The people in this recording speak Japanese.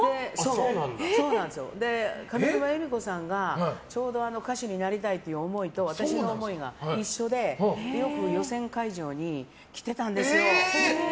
上沼恵美子さんが、ちょうど歌手になりたいという思いと私の思いが一緒で同世代ですか。